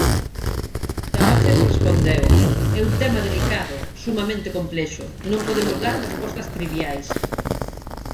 Tahoces respondeu: É un tema delicado, sumamente complexo, non podemos dar respostas triviais.